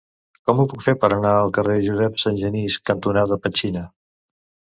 Com ho puc fer per anar al carrer Josep Sangenís cantonada Petxina?